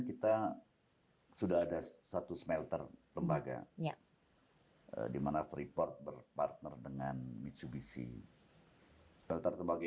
kita sudah ada satu smelter lembaga ya di mana freeport berpartner dengan mitsubishi dan tersebagi